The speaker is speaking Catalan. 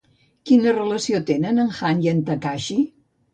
Quina relació tenen en Han i en Takashi?